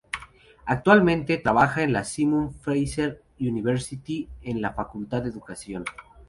Actualmente, trabaja en la Simon Fraser University en la Facultad de Educación.